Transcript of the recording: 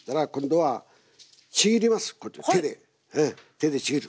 手でちぎる。